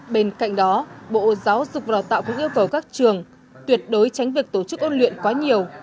bên cạnh đó bộ giáo dục và đào tạo cũng yêu cầu các trường tuyệt đối tránh việc tổ chức ôn luyện quá nhiều